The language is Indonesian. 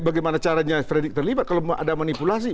bagaimana caranya fredrik terlibat kalau ada manipulasi